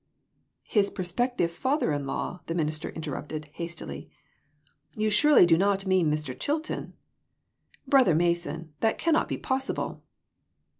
" His prospective father in law !" the minister interrupted, hastily; "you surely do not mean Mr. Chilton ? Brother Mason, that cannot be possible